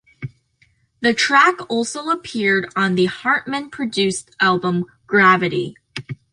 The track also appeared on the Hartman produced album "Gravity".